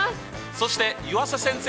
そして湯浅先生。